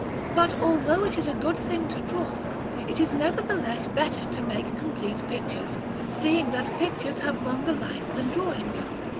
But, although it is a good thing to draw, it is nevertheless better to make complete pictures, seeing that pictures have longer life than drawings.